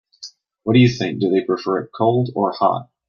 What do you think, do they prefer it cold or hot?